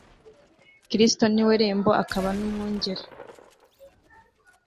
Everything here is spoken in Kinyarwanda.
Krito ni we rembo akaba n'umwungeri.